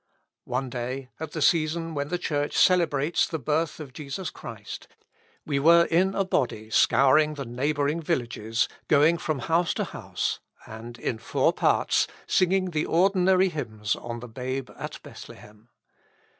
One day, at the season when the Church celebrates the birth of Jesus Christ, we were in a body scouring the neighbouring villages, going from house to house, and, in four parts, singing the ordinary hymns on the Babe at Bethlehem.